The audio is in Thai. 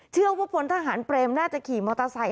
เชื่อว่าพลทหารเบรมน่าจะขี่มอเตอร์ไซค์